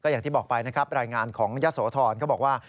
อย่างที่บอกไปรายงานของยะสวทรก็บอกว่า